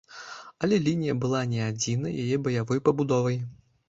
Але лінія была не адзінай яе баявой пабудовай.